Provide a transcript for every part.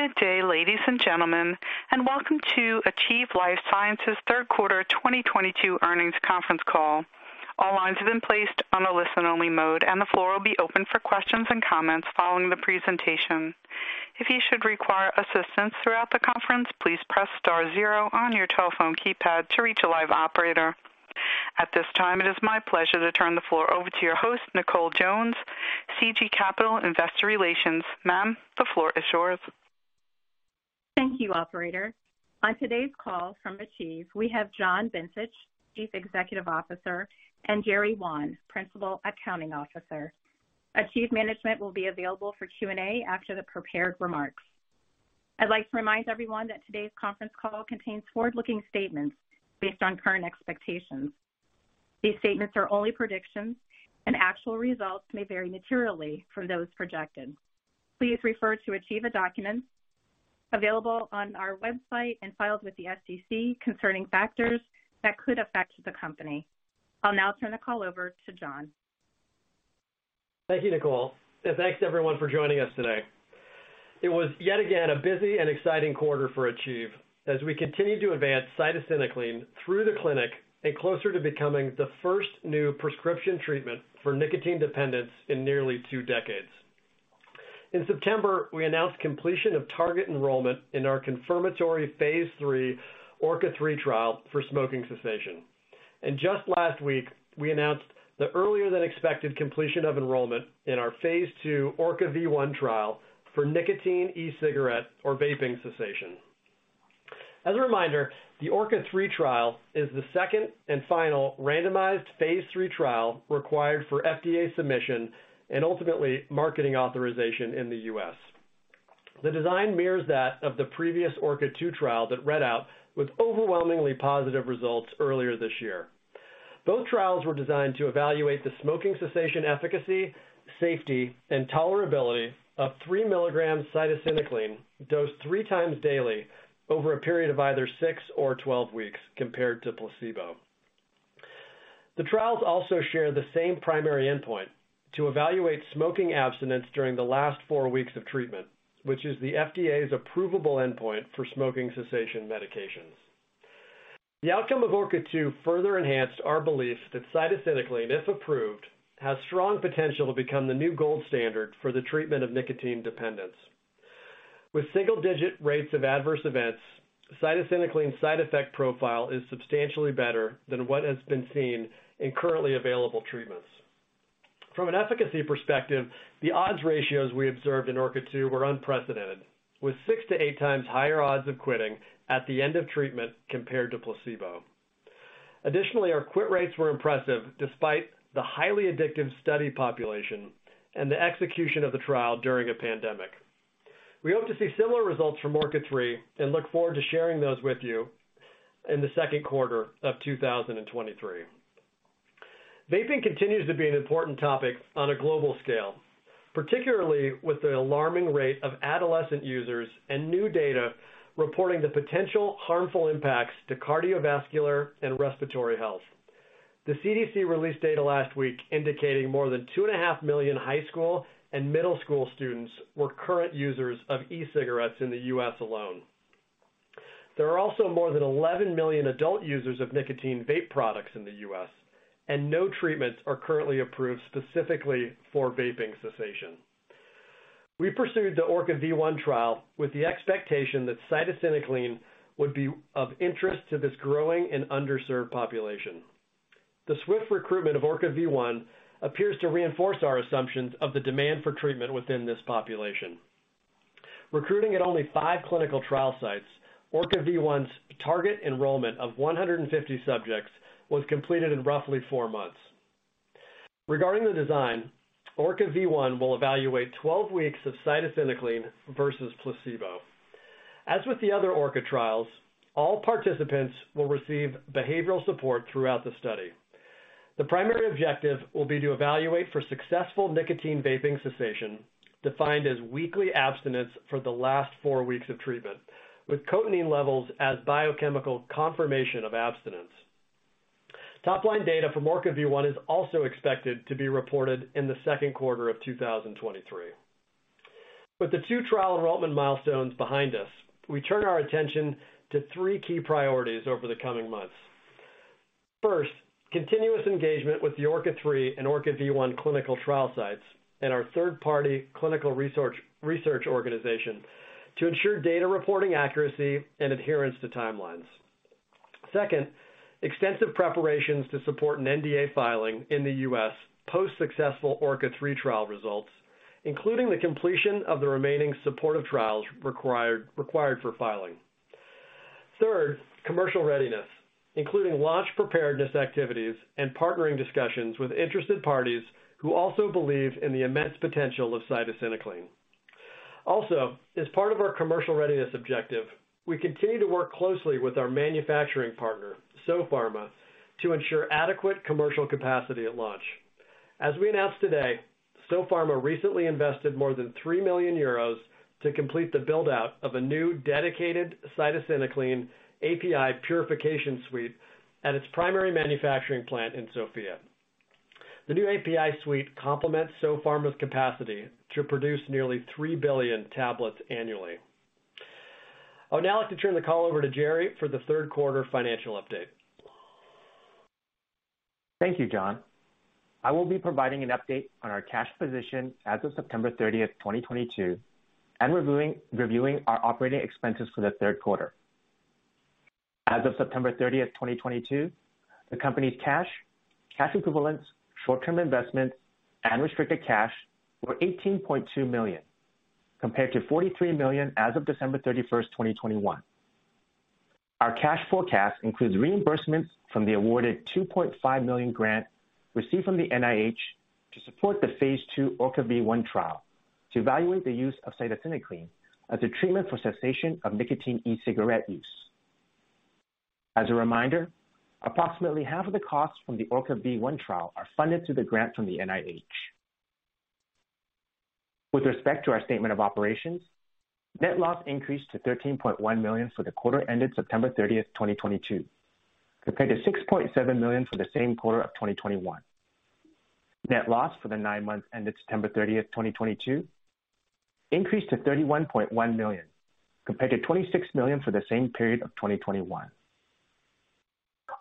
Good day, ladies and gentlemen, and welcome to Achieve Life Sciences third quarter 2022 earnings conference call. All lines have been placed on a listen-only mode, and the floor will be open for questions and comments following the presentation. If you should require assistance throughout the conference, please press star zero on your telephone keypad to reach a live operator. At this time, it is my pleasure to turn the floor over to your host, Nicole Jones, CG Capital Investor Relations. Ma'am, the floor is yours. Thank you, Operator. On today's call from Achieve, we have John Bencich, Chief Executive Officer, and Jerry Wan, Principal Accounting Officer. Achieve management will be available for Q&A after the prepared remarks. I'd like to remind everyone that today's conference call contains forward-looking statements based on current expectations. These statements are only predictions and actual results may vary materially from those projected. Please refer to Achieve's documents available on our website and filed with the SEC concerning factors that could affect the company. I'll now turn the call over to John. Thank you, Nicole, and thanks everyone for joining us today. It was yet again a busy and exciting quarter for Achieve as we continue to advance cytisinicline through the clinic and closer to becoming the first new prescription treatment for nicotine dependence in nearly two decades. In September, we announced completion of target enrollment in our confirmatory phase III ORCA-3 trial for smoking cessation. Just last week, we announced the earlier than expected completion of enrollment in our phase II ORCA-V1 trial for nicotine e-cigarette or vaping cessation. As a reminder, the ORCA-3 trial is the second and final randomized phase III trial required for FDA submission and ultimately marketing authorization in the U.S. The design mirrors that of the previous ORCA-2 trial that read out with overwhelmingly positive results earlier this year. Both trials were designed to evaluate the smoking cessation efficacy, safety, and tolerability of 3 mg cytisinicline dosed three times daily over a period of either 6 or 12 weeks compared to placebo. The trials also share the same primary endpoint to evaluate smoking abstinence during the last four weeks of treatment, which is the FDA's approvable endpoint for smoking cessation medications. The outcome of ORCA-2 further enhanced our beliefs that cytisinicline, if approved, has strong potential to become the new gold standard for the treatment of nicotine dependence. With single-digit rates of adverse events, cytisinicline side effect profile is substantially better than what has been seen in currently available treatments. From an efficacy perspective, the odds ratios we observed in ORCA-2 were unprecedented, with 6x-8x higher odds of quitting at the end of treatment compared to placebo. Our quit rates were impressive despite the highly addictive study population and the execution of the trial during a pandemic. We hope to see similar results from ORCA-3 and look forward to sharing those with you in the second quarter of 2023. Vaping continues to be an important topic on a global scale, particularly with the alarming rate of adolescent users and new data reporting the potential harmful impacts to cardiovascular and respiratory health. The CDC released data last week indicating more than 2.5 million high school and middle school students were current users of e-cigarettes in the U.S. alone. There are also more than 11 million adult users of nicotine vape products in the U.S., and no treatments are currently approved specifically for vaping cessation. We pursued the ORCA-V1 trial with the expectation that cytisinicline would be of interest to this growing and underserved population. The swift recruitment of ORCA-V1 appears to reinforce our assumptions of the demand for treatment within this population. Recruiting at only five clinical trial sites, ORCA-V1's target enrollment of 150 subjects was completed in roughly four months. Regarding the design, ORCA-V1 will evaluate 12 weeks of cytisinicline versus placebo. As with the other ORCA trials, all participants will receive behavioral support throughout the study. The primary objective will be to evaluate for successful nicotine vaping cessation, defined as weekly abstinence for the last four weeks of treatment, with cotinine levels as biochemical confirmation of abstinence. Top line data from ORCA-V1 is also expected to be reported in the second quarter of 2023. With the two trial enrollment milestones behind us, we turn our attention to three key priorities over the coming months. First, continuous engagement with the ORCA-3 and ORCA-V1 clinical trial sites and our third-party clinical research organization to ensure data reporting accuracy and adherence to timelines. Second, extensive preparations to support an NDA filing in the U.S. post-successful ORCA-3 trial results, including the completion of the remaining supportive trials required for filing. Third, commercial readiness, including launch preparedness activities and partnering discussions with interested parties who also believe in the immense potential of cytisinicline. Also, as part of our commercial readiness objective, we continue to work closely with our manufacturing partner, Sopharma, to ensure adequate commercial capacity at launch. As we announced today, Sopharma recently invested more than 3 million euros to complete the build-out of a new dedicated cytisinicline API purification suite at its primary manufacturing plant in Sofia. The new API suite complements Sopharma's capacity to produce nearly 3 billion tablets annually. I would now like to turn the call over to Jerry for the third quarter financial update. Thank you, John. I will be providing an update on our cash position as of September 30th, 2022, and reviewing our operating expenses for the third quarter. As of September 30th, 2022, the company's cash equivalents, short-term investments, and restricted cash were $18.2 million, compared to $43 million as of December 31st, 2021. Our cash forecast includes reimbursements from the awarded $2.5 million grant received from the NIH to support the phase II ORCA-V1 trial to evaluate the use of cytisinicline as a treatment for cessation of nicotine e-cigarette use. As a reminder, approximately half of the costs from the ORCA-V1 trial are funded through the grant from the NIH. With respect to our statement of operations, net loss increased to $13.1 million for the quarter ended September 30, 2022, compared to $6.7 million for the same quarter of 2021. Net loss for the nine months ended September 30th, 2022 increased to $31.1 million, compared to $26 million for the same period of 2021.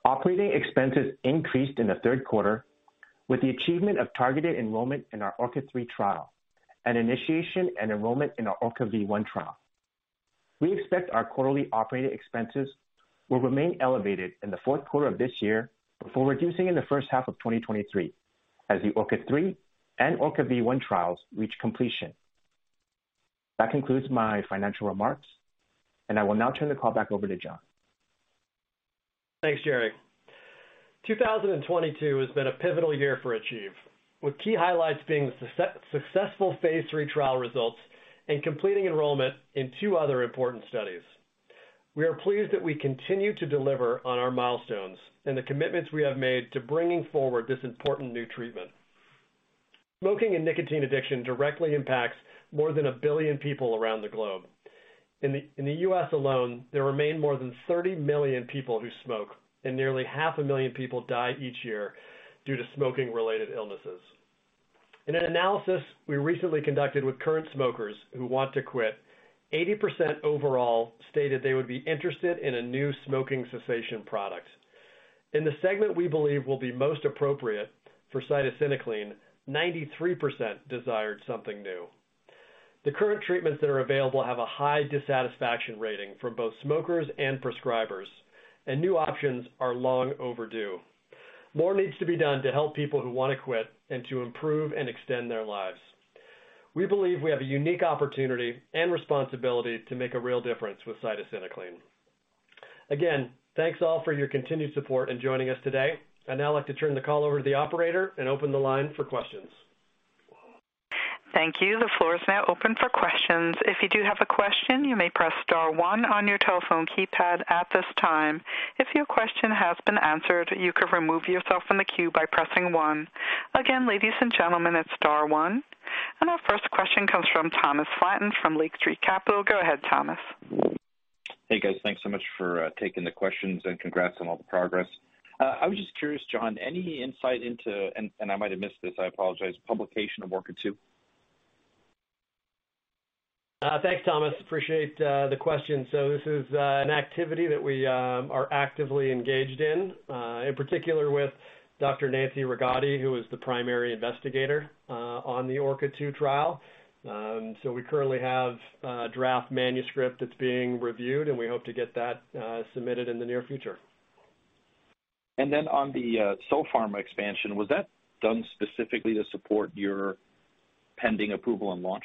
Operating expenses increased in the third quarter with the achievement of targeted enrollment in our ORCA-3 trial and initiation and enrollment in our ORCA-V1 trial. We expect our quarterly operating expenses will remain elevated in the fourth quarter of this year before reducing in the first half of 2023 as the ORCA-3 and ORCA-V1 trials reach completion. That concludes my financial remarks, and I will now turn the call back over to John. Thanks, Jerry. 2022 has been a pivotal year for Achieve, with key highlights being the successful phase III trial results and completing enrollment in two other important studies. We are pleased that we continue to deliver on our milestones and the commitments we have made to bringing forward this important new treatment. Smoking and nicotine addiction directly impacts more than 1 billion people around the globe. In the U.S. alone, there remain more than 30 million people who smoke, and nearly half a million people die each year due to smoking-related illnesses. In an analysis we recently conducted with current smokers who want to quit, 80% overall stated they would be interested in a new smoking cessation product. In the segment we believe will be most appropriate for cytisinicline, 93% desired something new. The current treatments that are available have a high dissatisfaction rating from both smokers and prescribers, and new options are long overdue. More needs to be done to help people who wanna quit and to improve and extend their lives. We believe we have a unique opportunity and responsibility to make a real difference with cytisinicline. Again, thanks all for your continued support in joining us today. I'd now like to turn the call over to the operator and open the line for questions. Thank you. The floor is now open for questions. If you do have a question, you may press star one on your telephone keypad at this time. If your question has been answered, you can remove yourself from the queue by pressing one. Again, ladies and gentlemen, it's star one. Our first question comes from Thomas Flaten from Lake Street Capital. Go ahead, Thomas. Hey, guys. Thanks so much for taking the questions and congrats on all the progress. I was just curious, John, any insight into, and I might have missed this, I apologize, publication of ORCA-2? Thanks, Thomas. Appreciate the question. This is an activity that we are actively engaged in particular with Dr. Nancy Rigotti, who is the primary investigator on the ORCA-2 trial. We currently have a draft manuscript that's being reviewed, and we hope to get that submitted in the near future. On the Sopharma expansion, was that done specifically to support your pending approval and launch?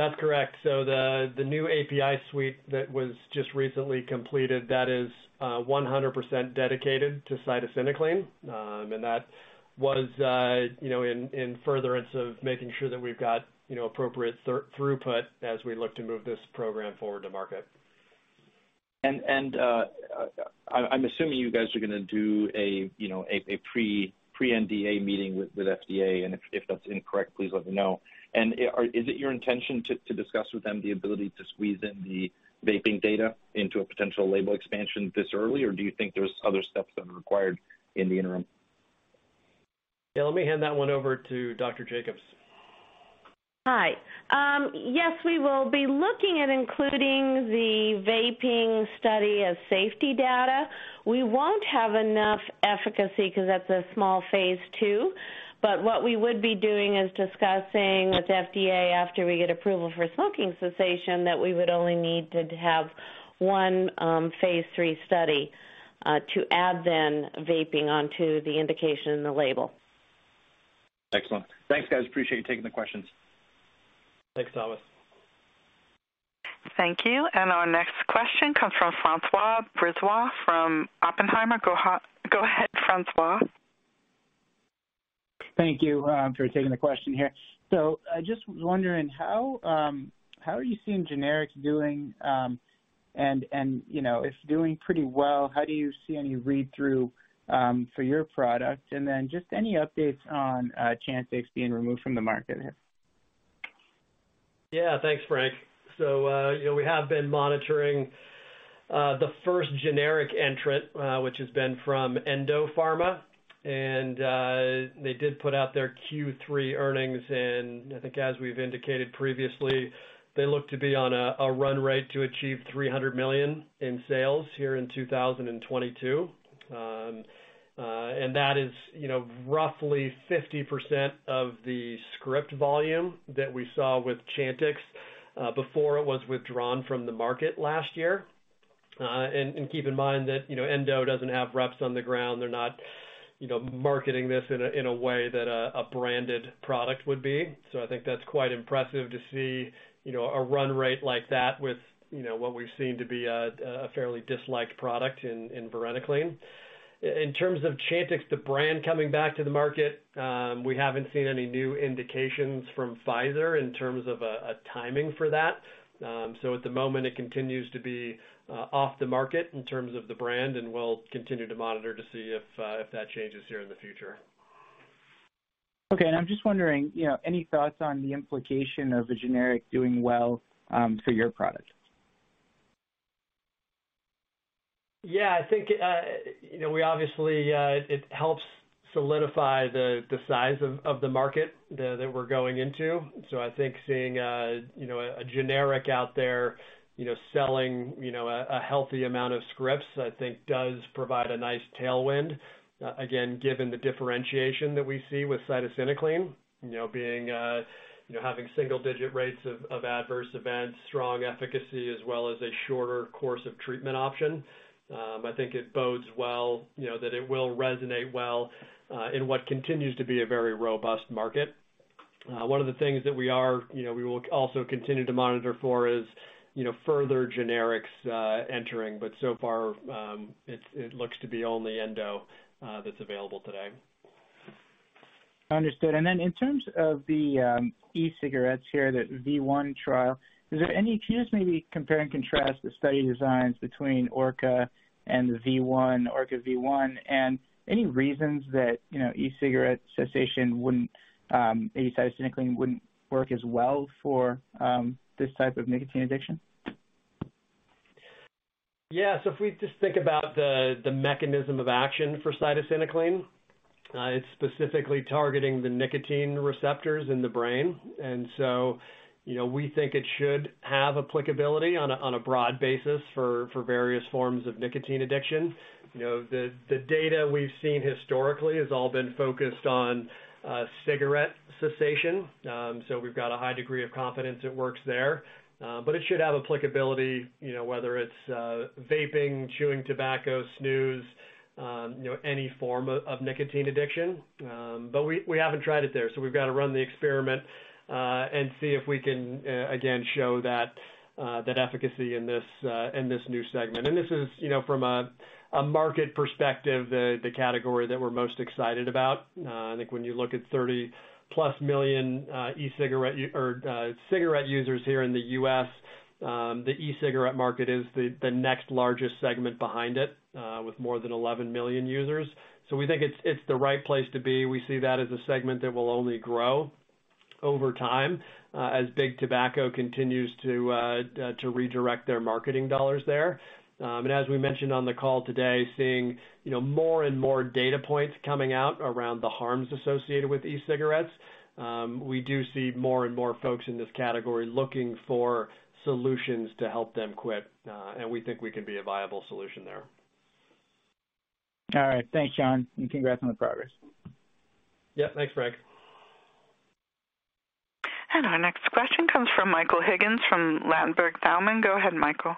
That's correct. The new API suite that was just recently completed, that is 100% dedicated to cytisinicline. That was you know in furtherance of making sure that we've got you know appropriate throughput as we look to move this program forward to market. I'm assuming you guys are gonna do a pre-NDA meeting with FDA. If that's incorrect, please let me know. Is it your intention to discuss with them the ability to squeeze in the vaping data into a potential label expansion this early? Do you think there's other steps that are required in the interim? Yeah. Let me hand that one over to Dr. Jacobs. Hi. Yes, we will be looking at including the vaping study as safety data. We won't have enough efficacy 'cause that's a small phase II. What we would be doing is discussing with FDA after we get approval for smoking cessation that we would only need to have one phase III study to add then vaping onto the indication in the label. Excellent. Thanks, guys. Appreciate you taking the questions. Thanks, Thomas. Thank you. Our next question comes from François Brisebois from Oppenheimer. Go ahead, François. Thank you for taking the question here. So I just was wondering how are you seeing generics doing, and you know, if doing pretty well, how do you see any read-through for your product? And then just any updates on Chantix being removed from the market? Yeah. Thanks, Frank. So you know, we have been monitoring the first generic entrant, which has been from Endo Pharma. They did put out their Q3 earnings, and I think as we've indicated previously, they look to be on a run rate to achieve $300 million in sales here in 2022. That is, you know, roughly 50% of the script volume that we saw with Chantix before it was withdrawn from the market last year. Keep in mind that, you know, Endo doesn't have reps on the ground. They're not, you know, marketing this in a way that a branded product would be. I think that's quite impressive to see, you know, a run rate like that with, you know, what we've seen to be a fairly disliked product in varenicline. In terms of Chantix, the brand coming back to the market, we haven't seen any new indications from Pfizer in terms of a timing for that. At the moment, it continues to be off the market in terms of the brand, and we'll continue to monitor to see if that changes here in the future. Okay. I'm just wondering, you know, any thoughts on the implication of a generic doing well for your product? Yeah, I think, you know, we obviously it helps solidify the size of the market that we're going into. I think seeing, you know, a generic out there, you know, selling, you know, a healthy amount of scripts, I think does provide a nice tailwind, again, given the differentiation that we see with cytisinicline, you know, being, you know, having single-digit rates of adverse events, strong efficacy, as well as a shorter course of treatment option. I think it bodes well, you know, that it will resonate well in what continues to be a very robust market. One of the things that we are, you know, we will also continue to monitor for is, you know, further generics entering, but so far, it looks to be only Endo that's available today. Understood. Then in terms of the e-cigarettes here, that ORCA-V1 trial, can you just maybe compare and contrast the study designs between ORCA and the ORCA-V1, and any reasons that, you know, cytisinicline wouldn't work as well for this type of nicotine addiction? Yeah. If we just think about the mechanism of action for cytisinicline, it's specifically targeting the nicotine receptors in the brain. You know, we think it should have applicability on a broad basis for various forms of nicotine addiction. You know, the data we've seen historically has all been focused on cigarette cessation. We've got a high degree of confidence it works there. It should have applicability, you know, whether it's vaping, chewing tobacco, snus, you know, any form of nicotine addiction. We haven't tried it there, so we've got to run the experiment and see if we can again show that efficacy in this new segment. This is, you know, from a market perspective, the category that we're most excited about. I think when you look at 30+ million e-cigarette or cigarette users here in the U.S., the e-cigarette market is the next largest segment behind it, with more than 11 million users. We think it's the right place to be. We see that as a segment that will only grow over time, as Big Tobacco continues to redirect their marketing dollars there. As we mentioned on the call today, seeing, you know, more and more data points coming out around the harms associated with e-cigarettes, we do see more and more folks in this category looking for solutions to help them quit, and we think we can be a viable solution there. All right. Thanks, John, and congrats on the progress. Yeah. Thanks, Frank. Our next question comes from Michael Higgins from Ladenburg Thalmann. Go ahead, Michael.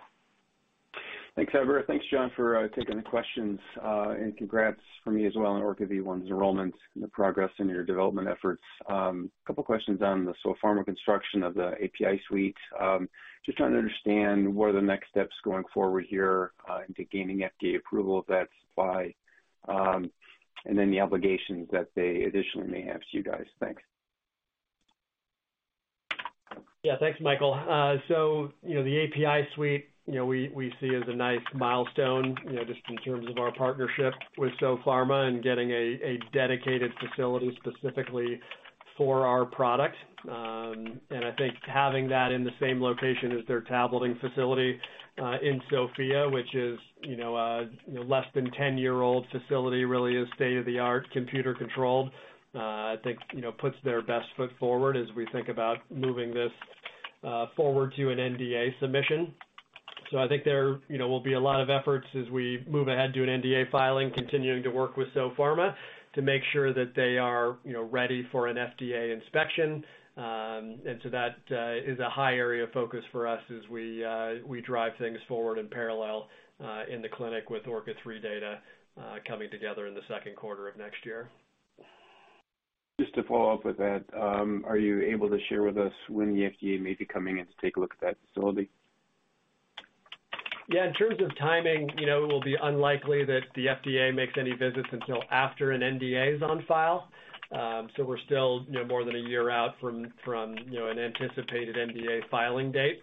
Thanks, Deborah. Thanks, John, for taking the questions. Congrats from me as well on ORCA-V1's enrollment and the progress in your development efforts. A couple questions on the Sopharma construction of the API suite. Just trying to understand what are the next steps going forward here into gaining FDA approval, if that's by, and then the obligations that they additionally may have to you guys. Thanks. Yeah. Thanks, Michael. You know, the API suite, you know, we see as a nice milestone, you know, just in terms of our partnership with Sopharma and getting a dedicated facility specifically for our product. I think having that in the same location as their tableting facility in Sofia, which is, you know, a you know less than 10-year-old facility, really is state-of-the-art, computer controlled, I think you know puts their best foot forward as we think about moving this forward to an NDA submission. I think there, you know, will be a lot of efforts as we move ahead to an NDA filing, continuing to work with Sopharma to make sure that they are, you know, ready for an FDA inspection. That is a high area of focus for us as we drive things forward in parallel in the clinic with ORCA-3 data coming together in the second quarter of next year. Just to follow up with that, are you able to share with us when the FDA may be coming in to take a look at that facility? Yeah, in terms of timing, you know, it will be unlikely that the FDA makes any visits until after an NDA is on file. We're still, you know, more than a year out from you know, an anticipated NDA filing date.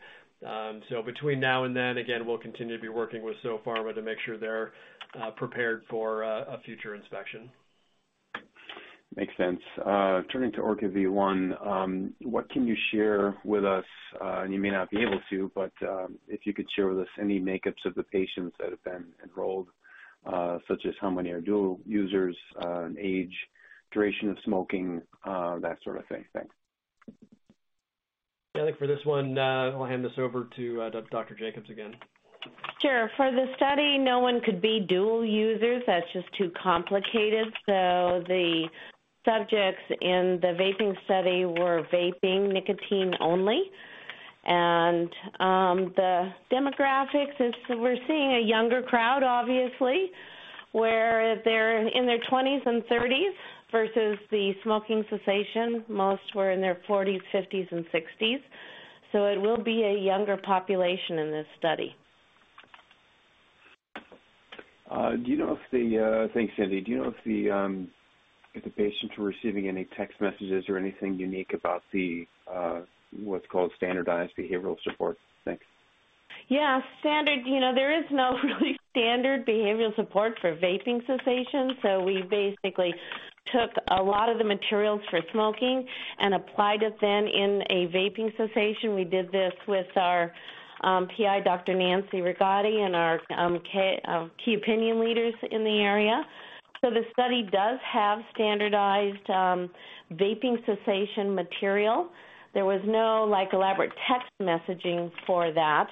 Between now and then, again, we'll continue to be working with Sopharma to make sure they're prepared for a future inspection. Makes sense. Turning to ORCA-V1, what can you share with us, and you may not be able to, but, if you could share with us any makeups of the patients that have been enrolled, such as how many are dual users, age, duration of smoking, that sort of thing. Thanks. Yeah, I think for this one, I'll hand this over to Dr. Jacobs again. Sure. For the study, no one could be dual users. That's just too complicated. The subjects in the vaping study were vaping nicotine only. The demographics is we're seeing a younger crowd, obviously, where they're in their twenties and thirties versus the smoking cessation. Most were in their forties, fifties, and sixties. It will be a younger population in this study. Thanks, Cindy. Do you know if the patients were receiving any text messages or anything unique about what's called standardized behavioral support? Thanks. Yeah. Standard. You know, there is no really standard behavioral support for vaping cessation, so we basically took a lot of the materials for smoking and applied it then in a vaping cessation. We did this with our PI, Dr. Nancy Rigotti, and our key opinion leaders in the area. The study does have standardized vaping cessation material. There was no, like, elaborate text messaging for that.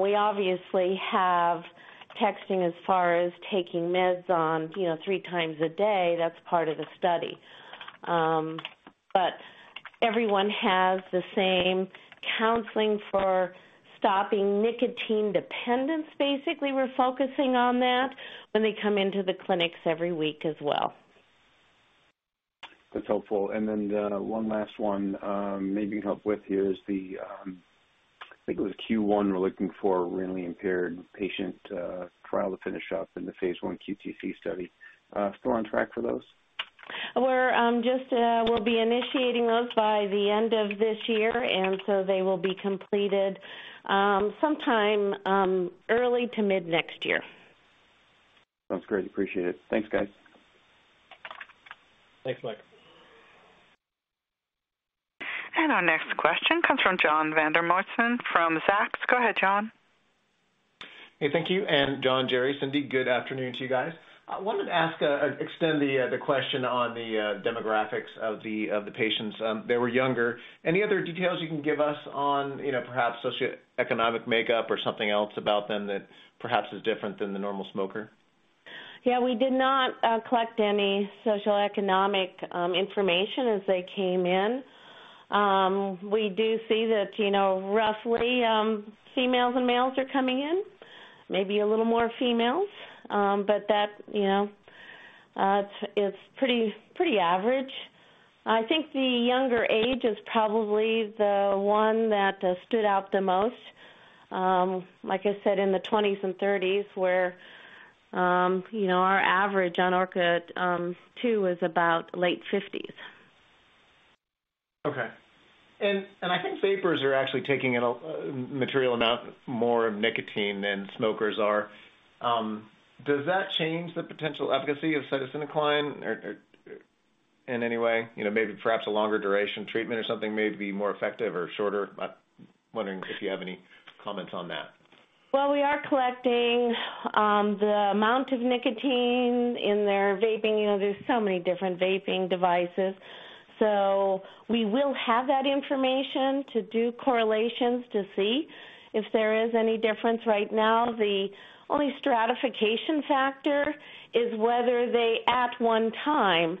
We obviously have texting as far as taking meds on, you know, three times a day. That's part of the study. Everyone has the same counseling for stopping nicotine dependence, basically, we're focusing on that when they come into the clinics every week as well. That's helpful. One last one, maybe you can help with here is the, I think it was Q1 we're looking for renally impaired patient trial to finish up in the phase I QTC study. Still on track for those? We'll be initiating those by the end of this year, and so they will be completed sometime early to mid next year. Sounds great. Appreciate it. Thanks, guys. Thanks, Mike. Our next question comes from John Vandermosten from Zacks. Go ahead, John. Hey, thank you. John, Jerry, Cindy, good afternoon to you guys. I wanted to ask, extend the question on the demographics of the patients. They were younger. Any other details you can give us on, you know, perhaps socioeconomic makeup or something else about them that perhaps is different than the normal smoker? Yeah, we did not collect any socioeconomic information as they came in. We do see that, you know, roughly, females and males are coming in, maybe a little more females. That, you know, it's pretty average. I think the younger age is probably the one that stood out the most. Like I said, in the twenties and thirties, where, you know, our average on ORCA-2 is about late fifties. Okay. I think vapers are actually taking in a material amount more of nicotine than smokers are. Does that change the potential efficacy of cytisinicline or in any way? You know, maybe perhaps a longer duration treatment or something may be more effective or shorter. Wondering if you have any comments on that. Well, we are collecting the amount of nicotine in their vaping. You know, there's so many different vaping devices. We will have that information to do correlations to see if there is any difference. Right now, the only stratification factor is whether they at one time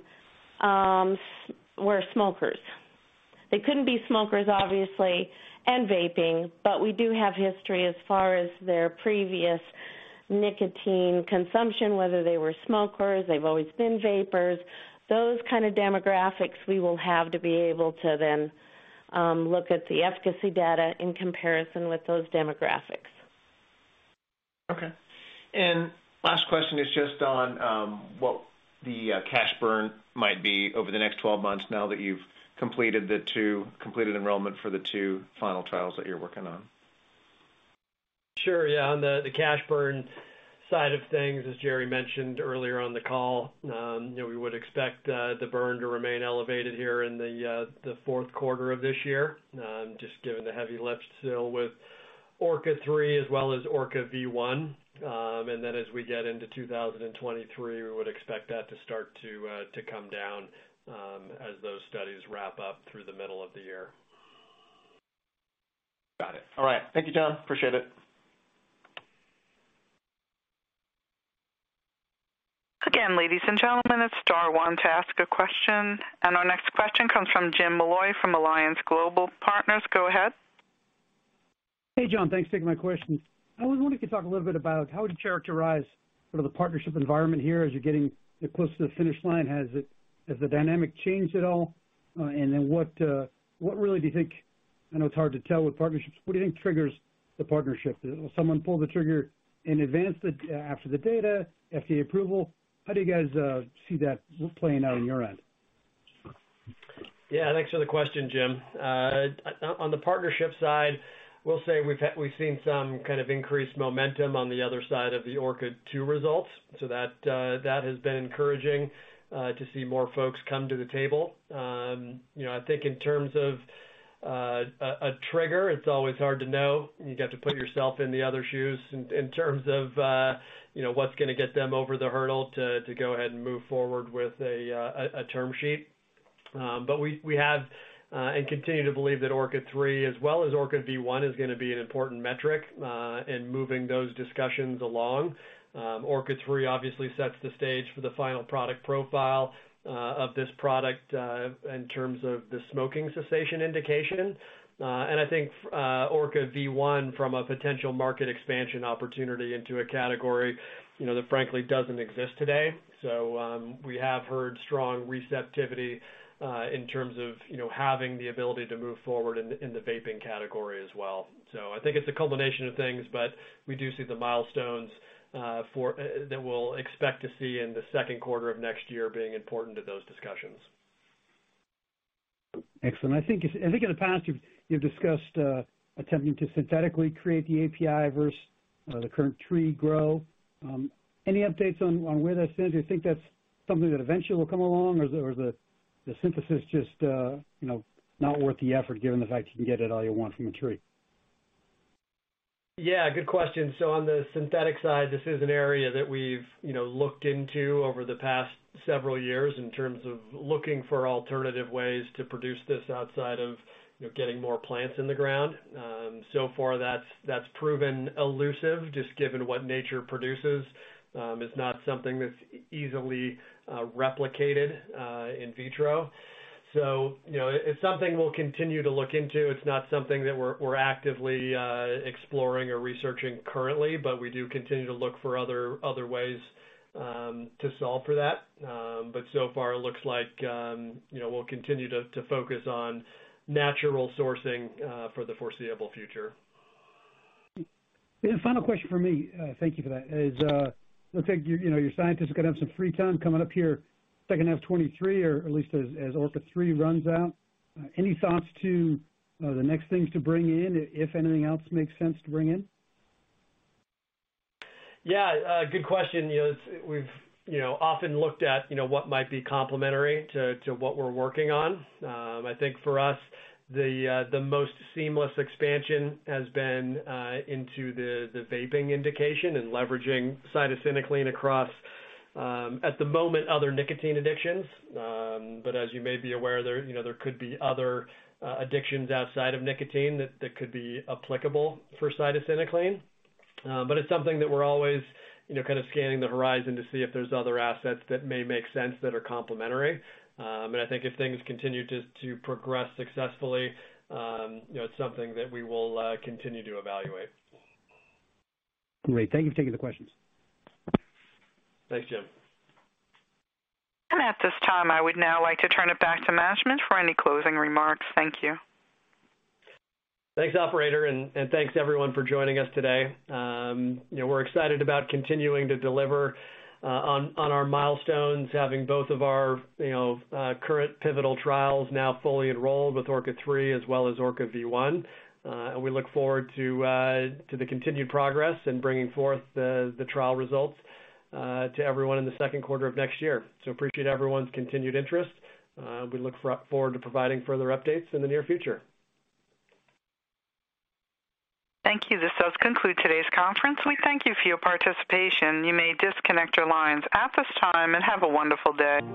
were smokers. They couldn't be smokers, obviously, and vaping. We do have history as far as their previous nicotine consumption, whether they were smokers, they've always been vapers. Those kind demographics we will have to be able to then look at the efficacy data in comparison with those demographics. Okay. Last question is just on what the cash burn might be over the next 12 months now that you've completed enrollment for the two final trials that you're working on. Sure, yeah. On the cash burn side of things, as Jerry mentioned earlier on the call, you know, we would expect the burn to remain elevated here in the fourth quarter of this year, just given the heavy lifts still with ORCA-3 as well as ORCA-V1. As we get into 2023, we would expect that to start to come down, as those studies wrap up through the middle of the year. Got it. All right. Thank you, John. Appreciate it. Again, ladies and gentlemen, it's star one to ask a question. Our next question comes from Jim Molloy from Alliance Global Partners. Go ahead. Hey, John. Thanks for taking my question. I was wondering if you could talk a little bit about how would you characterize sort of the partnership environment here as you're getting close to the finish line. Has the dynamic changed at all? What really do you think? I know it's hard to tell with partnerships. What do you think triggers the partnership? Will someone pull the trigger in advance of the data or after FDA approval? How do you guys see that playing out on your end? Yeah, thanks for the question, Jim. On the partnership side, we'll say we've seen some kind of increased momentum on the other side of the ORCA-2 results. That has been encouraging to see more folks come to the table. You know, I think in terms of a trigger, it's always hard to know. You've got to put yourself in the other shoes in terms of you know, what's gonna get them over the hurdle to go ahead and move forward with a term sheet. We have and continue to believe that ORCA-3 as well as ORCA-V1 is gonna be an important metric in moving those discussions along. ORCA-3 obviously sets the stage for the final product profile, of this product, in terms of the smoking cessation indication. I think, ORCA-V1 from a potential market expansion opportunity into a category, you know, that frankly doesn't exist today. We have heard strong receptivity, in terms of, you know, having the ability to move forward in the vaping category as well. I think it's a combination of things, but we do see the milestones, for that we'll expect to see in the second quarter of next year being important to those discussions. Excellent. I think in the past you've discussed attempting to synthetically create the API versus the current tree-grown. Any updates on where that stands? Do you think that's something that eventually will come along, or is the synthesis just you know not worth the effort given the fact you can get it all you want from a tree? Yeah, good question. On the synthetic side, this is an area that we've, you know, looked into over the past several years in terms of looking for alternative ways to produce this outside of, you know, getting more plants in the ground. So far that's proven elusive, just given what nature produces. It's not something that's easily replicated in vitro. You know, it's something we'll continue to look into. It's not something that we're actively exploring or researching currently. We do continue to look for other ways to solve for that. So far, it looks like, you know, we'll continue to focus on natural sourcing for the foreseeable future. Final question from me, thank you for that, is looks like your, you know, your scientists are gonna have some free time coming up here second half 2023, or at least as ORCA-3 runs out. Any thoughts to the next things to bring in, if anything else makes sense to bring in? Yeah, good question. You know, we've often looked at, you know, what might be complementary to what we're working on. I think for us, the most seamless expansion has been into the vaping indication and leveraging cytisinicline across, at the moment, other nicotine addictions. But as you may be aware, you know, there could be other addictions outside of nicotine that could be applicable for cytisinicline. But it's something that we're always, you know, kind of scanning the horizon to see if there's other assets that may make sense that are complementary. I think if things continue to progress successfully, you know, it's something that we will continue to evaluate. Great. Thank you for taking the questions. Thanks, Jim. At this time, I would now like to turn it back to management for any closing remarks. Thank you. Thanks, operator. Thanks everyone for joining us today. You know, we're excited about continuing to deliver on our milestones, having both of our current pivotal trials now fully enrolled with ORCA-3 as well as ORCA-V1. We look forward to the continued progress in bringing forth the trial results to everyone in the second quarter of next year. Appreciate everyone's continued interest. We look forward to providing further updates in the near future. Thank you. This does conclude today's conference. We thank you for your participation. You may disconnect your lines at this time, and have a wonderful day.